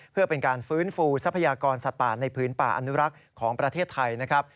เพื่อเป็นการฟื้นฟูทรัพยากรสัตว์ป่าในพื้นป่าอนุรักษ์ของประเทศไทยนะครับ